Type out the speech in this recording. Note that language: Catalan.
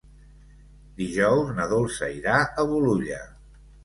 Dijous na Dolça irà a Bolulla.